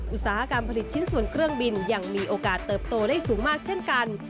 อุตสาหกรรมผลิตชิ้นส่วนเครื่องบินยังมีโอกาสเติบโตได้สูงมากเช่นกัน